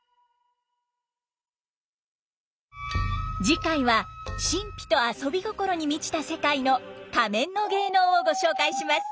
次回は神秘と遊び心に満ちた世界の仮面の芸能をご紹介します。